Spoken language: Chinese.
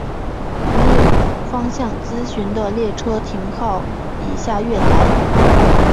没有方向资讯的列车停靠以下月台。